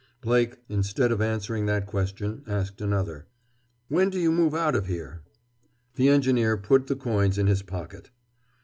Blake, instead of answering that question, asked another. "When do you move out of here?" The engineer put the coins in his pocket.